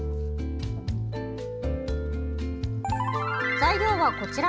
材料は、こちら。